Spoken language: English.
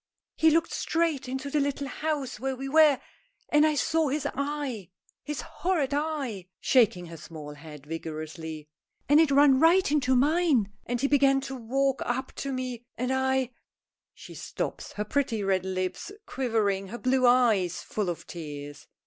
"He looked straight into the little house where we were, and I saw his eye his horrid eye!" shaking her small head vigorously "and it ran right into mine, and he began to walk up to me, and I " She stops, her pretty red lips quivering, her blue eyes full of tears.